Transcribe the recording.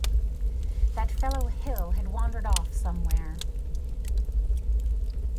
That fellow Hill had wandered off somewhere.